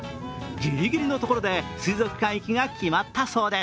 ギリギリのところで水族館行きが決まったそうです。